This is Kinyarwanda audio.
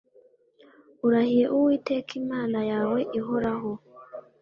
Nkurahiye Uwiteka Imana yawe ihoraho